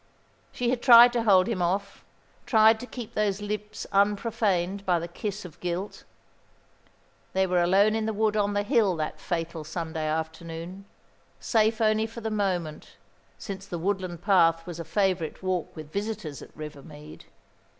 She had tried to hold him off tried to keep those lips unprofaned by the kiss of guilt. They were alone in the wood on the hill that fatal Sunday afternoon, safe only for the moment, since the woodland path was a favourite walk with visitors at River Mead.